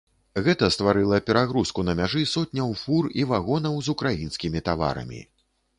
Гэта стварыла перагрузку на мяжы сотняў фур і вагонаў з украінскімі таварамі.